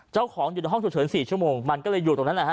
เจ้าของอยู่ในห้องฉุกเฉิน๔ชั่วโมงมันก็เลยอยู่ตรงนั้นนะฮะ